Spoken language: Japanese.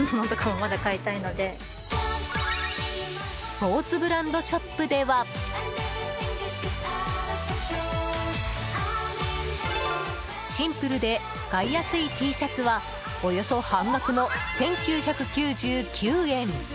スポーツブランドショップではシンプルで使いやすいＴシャツはおよそ半額の１９９９円！